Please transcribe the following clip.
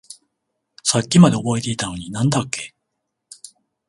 さっきまで覚えていたのに何だっけ？